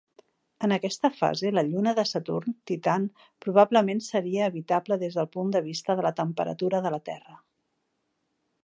En aquesta fase, la lluna de Saturn Titan probablement seria habitable des del punt de vista de la temperatura de la Terra.